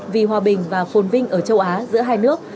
vì hòa bình và phồn vinh ở châu á giữa hai nước